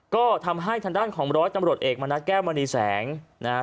ก็ทำให้ทางด้านของร้อยตำรวจเอกมณัฐแก้วมณีแสงนะฮะ